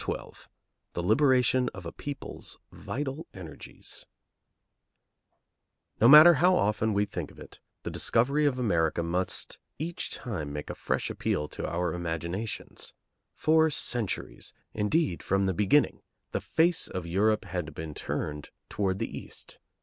XII THE LIBERATION OF A PEOPLE'S VITAL ENERGIES No matter how often we think of it, the discovery of America must each time make a fresh appeal to our imaginations. For centuries, indeed from the beginning, the face of Europe had been turned toward the east.